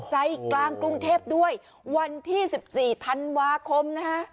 ใจกลางกรุงเทพด้วยวันที่๑๔ธันวาคมนะฮะ